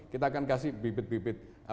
kita akan kasih bibit bibit